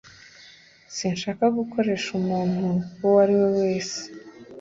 Sinshaka gukoresha umuntu uwo ari we wese.